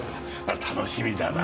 楽しみだな。